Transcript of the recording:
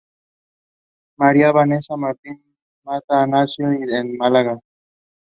They are currently members of the Kent County League Division One West.